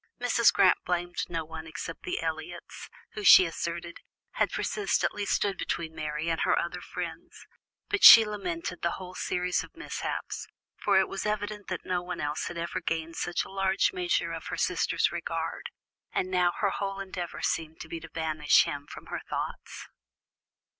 Mrs. Grant blamed no one except the Elliots, who, she asserted, had persistently stood between Mary and her other friends, but she lamented the whole series of mishaps, for it was evident that no one else had ever gained such a large measure of her sister's regard, and now her whole endeavour seemed to be to banish him from her thoughts.